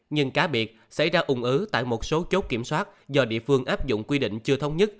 nhưng cá biệt xảy ra ủng ứ tại một số chốt kiểm soát do địa phương áp dụng quy định chưa thống nhất